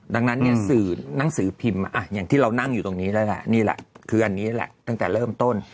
ดังนั้นเนี่ยสื่อหนังสือพิมพ์อย่างที่เรานั่งอยู่ตรงนี้แล้วแหละนี่แหละคืออันนี้แหละตั้งแต่เริ่มต้น